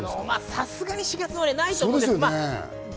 さすがに４月はないと思うんですが。